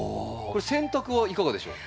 これ洗濯はいかがでしょう？